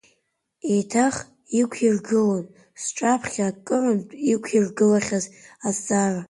Еиҭах иқәиргылон сҿаԥхьа акырынтә иқәиргылахьаз азҵаара.